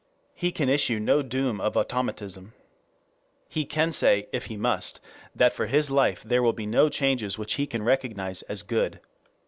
He can issue no doom of automatism. He can say, if he must, that for his life there will be no changes which he can recognize as good.